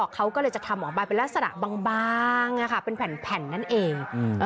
เขาก็เลยจะทำออกมาเป็นลักษณะบางเป็นแผ่นนั่นเอง